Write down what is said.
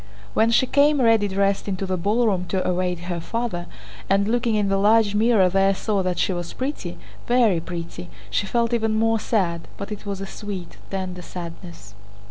When she came ready dressed into the ballroom to await her father, and looking in the large mirror there saw that she was pretty, very pretty, she felt even more sad, but it was a sweet, tender sadness.